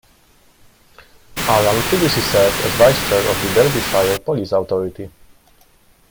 Alan previously served as Vice Chair of the Derbyshire Police Authority.